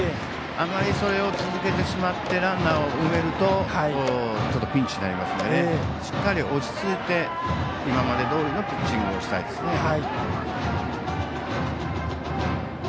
あまりそれを続けてしまってランナーを埋めるとピンチになりますのでしっかり落ち着いて今までどおりのピッチングをしたいですね。